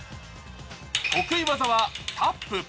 得意技はタップ。